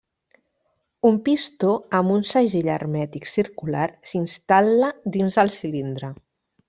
Un pistó amb un segell hermètic circular s'instal·la dins del cilindre.